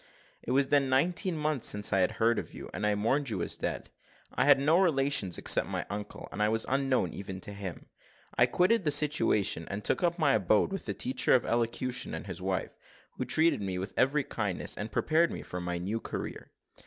"It was then nineteen months since I had heard of you, and I mourned you as dead. I had no relations except my uncle, and I was unknown even to him. I quitted the situation, and took up my abode with the teacher of elocution and his wife, who treated me with every kindness, and prepared me for my new career.